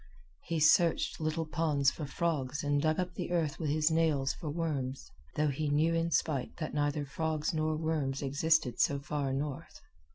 He searched little ponds for frogs and dug up the earth with his nails for worms, though he knew in spite that neither frogs nor worms existed so far north.